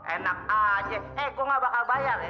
enak aja eh gue gak bakal bayar ya